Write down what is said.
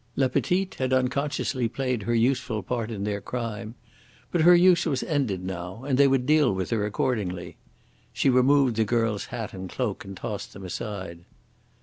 LA PETITE had unconsciously played her useful part in their crime. But her use was ended now, and they would deal with her accordingly. She removed the girl's hat and cloak and tossed them aside.